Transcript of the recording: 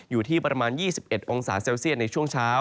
อยู่ที่ประมาณ๒๑องศาเซลเซียตในช่วงเช้า